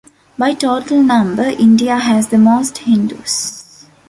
By total number, India has the most Hindus.